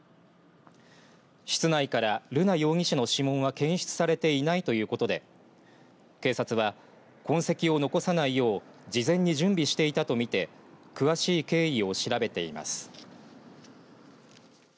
室内から瑠奈容疑者の指紋は検出されていないということで警察は痕跡を残さないよう事前に準備していたと見て詳しい経緯を調べています。